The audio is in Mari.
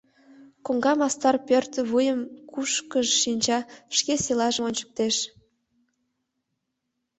Коҥга мастар пӧрт вуйым кушкыж шинча, шке селажым ончыштеш.